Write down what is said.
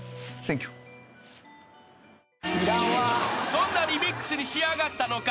［どんなリミックスに仕上がったのか］